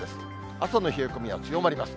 朝の冷え込みは強まります。